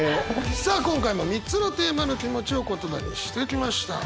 さあ今回も３つのテーマの気持ちを言葉にしてきました。